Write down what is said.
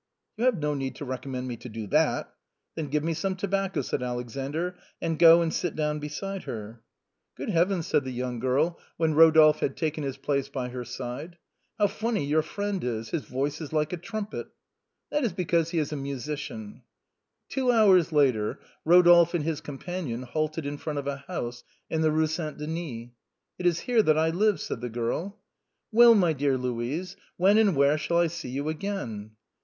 " You have no need to recommend me to do that." " Then give me some tobacco," said Alexander, " and go and sit down beside her." 50 THE BOHEMIANS OF THE LATIN QUARTER. " Good heavens/' said the young girl when Rodolphe had taken his place by her side, " how funny your friend is, his voice is like a trumpet." " That is because lie is a musician." Two hours later Rodolphe and his companion halted in front of a house in the Rue St. Denis. " It is here that I live," said the girl. " Well, my dear Louise, when and where shall I see you again